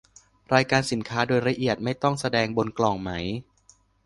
รายการสินค้าโดยละเอียดไม่ต้องแสดงบนกล่องไหม